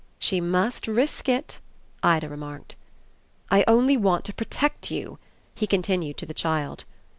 "She must risk it," Ida remarked. "I only want to protect you," he continued to the child.